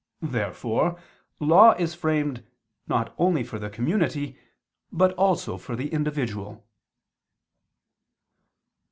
Therefore law is framed not only for the community, but also for the individual.